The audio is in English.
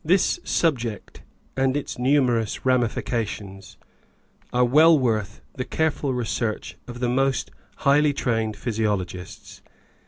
This subject, and its numerous ramifications, are well worth the careful research of the most highly trained physiologists.